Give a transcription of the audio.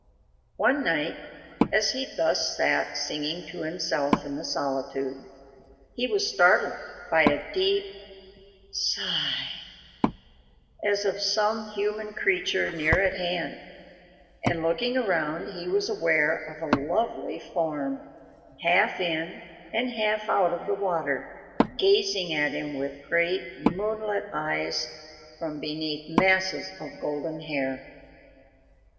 One night, as he thus sat singing to himself in the solitude, he was startled by a deep sigh, as of some human creature near at hand, and looking around he was aware of a lovely form, half in and half out of the water, gazing at him with great moonlit eyes from beneath masses of golden hair.